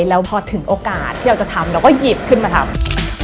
แล้วพอถึงโอกาสที่เราจะทำเราก็หยิบขึ้นมาทำ